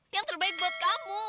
yang terbaik buat kamu